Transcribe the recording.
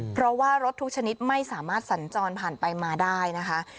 เพราะว่ารถทุกชนิดไม่สามารถสัญจรผ่านไปมาได้นะคะ